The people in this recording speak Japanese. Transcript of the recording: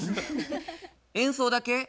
演奏だけ？